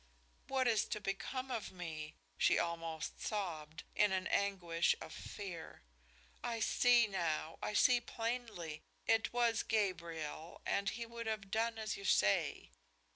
"What is to become of me!" she almost sobbed, in an anguish of fear. "I see now I see plainly! It was Gabriel, and he would have done as you say."